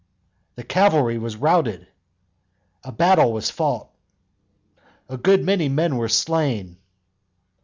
"The cavalry were routed." "A battle was fought." "A good many men were slain."